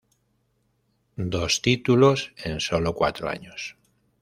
Dos títulos en solo cuatro años.